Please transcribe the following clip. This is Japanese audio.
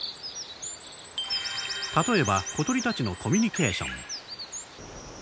例えば小鳥たちのコミュニケーション